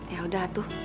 ya udah tuh